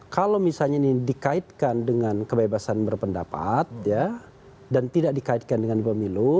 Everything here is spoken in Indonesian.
kalau misalnya ini dikaitkan dengan kebebasan berpendapat dan tidak dikaitkan dengan pemilu